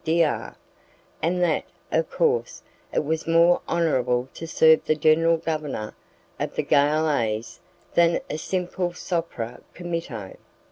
D R , and that, of course, it was more honourable to serve the general governor of the galeazze than a simple sopra committo.